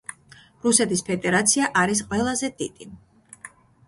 რუსეთის ფედერაცია არის ყველაზე დიდი.